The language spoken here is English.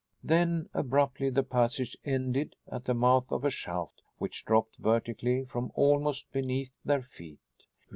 Then, abruptly, the passage ended at the mouth of a shaft, which dropped vertically from almost beneath their feet.